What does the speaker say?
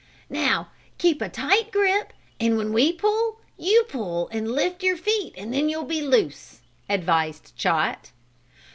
"Now keep a tight grip, and when we pull, you pull and lift your feet and then you'll be loose," advised Chot.